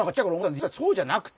実はそうじゃなくて！